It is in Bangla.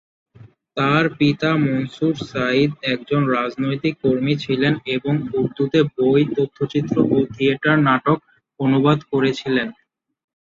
তার পিতা মনসুর সাইদ একজন রাজনৈতিক কর্মী ছিলেন এবং উর্দুতে বই, তথ্যচিত্র ও থিয়েটার নাটক অনুবাদ করেছিলেন।